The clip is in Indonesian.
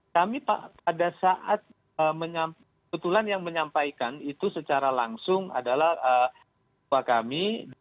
kami pada saat kebetulan yang menyampaikan itu secara langsung adalah ketua kami